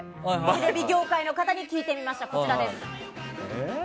テレビ業界の方に聞いてみました。